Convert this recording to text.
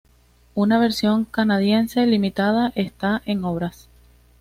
Una versión canadiense limitada está en obras.